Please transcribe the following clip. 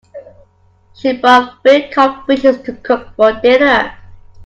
She bought three cod fishes to cook for dinner.